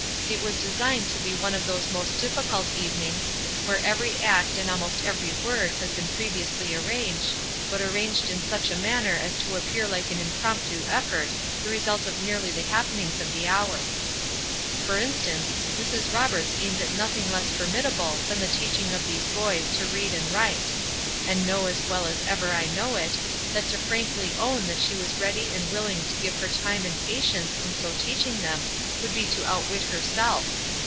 It was designed to be one of those most difficult evenings, where every act and almost every word has been previously arranged, but arranged in such a manner as to appear like an impromptu effort, the result of merely the happenings of the hour. For instance, Mrs. Roberts aimed at nothing less formidable than the teaching of these boys to read and write; and know as well as ever I know it, that to frankly own that she was ready and willing to give her time and patience in so teaching them would be to outwit herself.